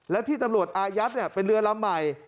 และที่ตำรวจอายัดเป็นเรือลำใหม่